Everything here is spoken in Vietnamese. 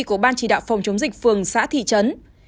của ban chỉ đạo phòng chống dịch phường xã thị trấn